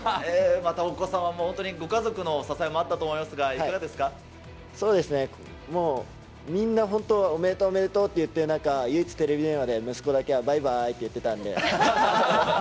またお子様も本当にご家族の支えもあったと思いますが、いかがでそうですね、もう、みんな本当、おめでとう、おめでとうって言って、唯一、テレビ電話で、息子だけはばいばいって言ってたんで。